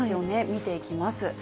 見ていきます。